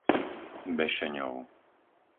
Bešeňov